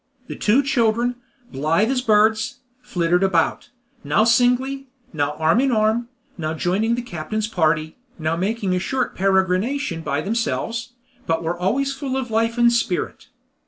The two children, blithe as birds, flitted about, now singly, now arm in arm, now joining the captain's party, now making a short peregrination by themselves, but always full of life and spirit.